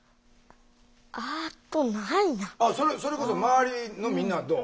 あっとそれこそ周りのみんなはどう？